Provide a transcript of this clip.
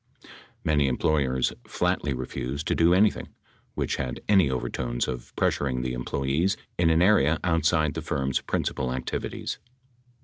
Many employers flatly refused to do anything which had any overtones of pressuring the employees in an area outside the firm's principal activities.